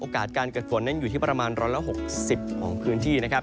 โอกาสการเกิดฝนนั้นอยู่ที่ประมาณร้อนแล้วหกสิบของพื้นที่นะครับ